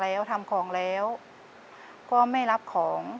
แต่ที่แม่ก็รักลูกมากทั้งสองคน